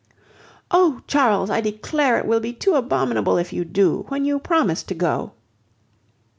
"Oh! Charles, I declare it will be too abominable if you do, when you promised to go."